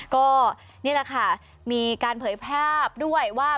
ก็นี่แหละค่ะมีการเผยภาพด้วยว่า